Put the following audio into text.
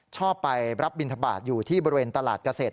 ชอบไปรับบินทบาทอยู่ที่บริเวณตลาดเกษตร